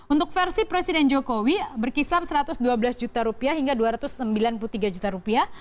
untuk versi presiden jokowi berkisar satu ratus dua belas juta rupiah hingga dua ratus sembilan puluh tiga juta rupiah